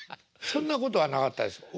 そんなことはなかったですか？